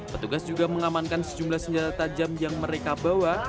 petugas juga mengamankan sejumlah senjata tajam yang mereka bawa